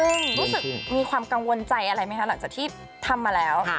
ซึ่งรู้สึกมีความกังวลใจอะไรไหมคะหลังจากที่ทำมาแล้ว